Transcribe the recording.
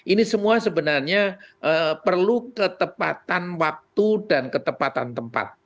ini semua sebenarnya perlu ketepatan waktu dan ketepatan tempat